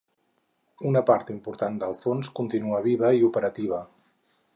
Una part important del fons continua viva i operativa.